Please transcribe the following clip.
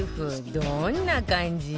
どんな感じ？